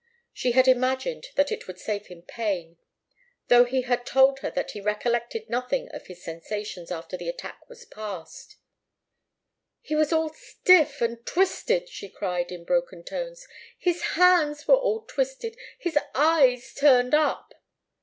She had imagined that it would save him pain, though he had told her that he recollected nothing of his sensations after the attack was past. "He was all stiff and twisted!" she cried, in broken tones. "His hands were all twisted his eyes turned up."